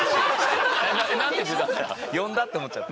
呼んだと思っちゃった。